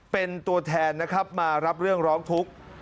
เป็นตัวแทนนะครับมารับเรื่องร้องทุกข์